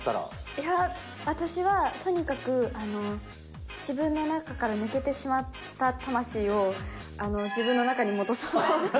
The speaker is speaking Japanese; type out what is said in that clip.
いやぁ、私はとにかく自分の中から抜けてしまった魂を、自分の中に戻そうと。